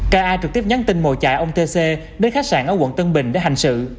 k a trực tiếp nhắn tin ngồi chạy ông t c đến khách sạn ở quận tân bình để hành sự